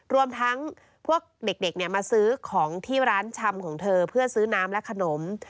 รวมทั้งพวกเด็กมาซื้อของที่ร้านชำของเธอเพื่อซื้อน้ำและขนม